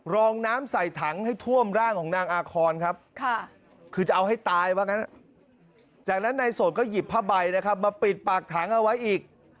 รองน้ำใส่ถังให้ท่วมร่างของนางอาคอนครับคือจะเอาให้ตายว่างั้นจากนั้นนายโสดก็หยิบผ้าใบนะครับมาปิดปากถังเอาไว้อีก